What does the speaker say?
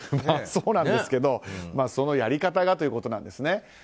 そうなんですけどそのやり方がということですね。